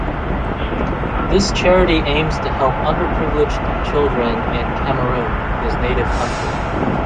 This charity aims to help underprivileged children in Cameroon, his native country.